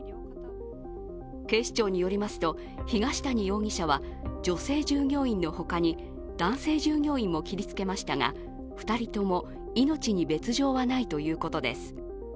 警視庁によりますと、東谷容疑者は女性従業員の他に男性従業員も切りつけましたが２人とも命に別状はないということです。